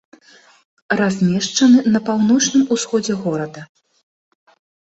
Размешчаны на паўночным усходзе горада.